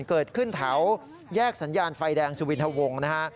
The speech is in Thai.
เกิดขึ้นแถวแยกสัญญาณไฟแดงสุวินทะวงนะฮะ